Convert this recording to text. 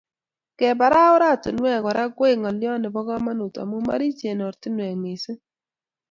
Kebara oratinwek Kora koek ngolyot nebo komonut amu marichen oratinwek missing